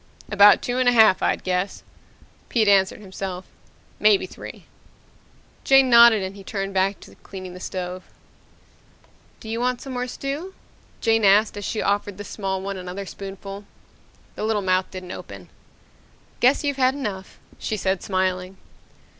"About two and a half, I'd guess," Pete answered himself. "Maybe three." Jane nodded and he turned back to cleaning the stove. "Don't you want some more stew?" Jane asked as she offered the small one another spoonful. The little mouth didn't open. "Guess you've had enough," she said, smiling.